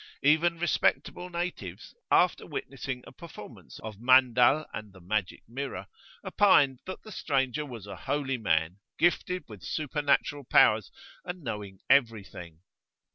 Even respectable natives, after witnessing a performance of "Mandal" and the Magic mirror[FN#19], opined that the stranger was a holy man, gifted [p.13]with supernatural powers, and knowing everything.